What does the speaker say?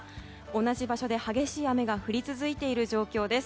同じ場所で激しい雨が降り続いている状況です。